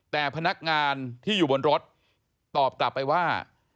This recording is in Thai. แต่พนักงานที่อยู่บนรถตอบกลับไปว่า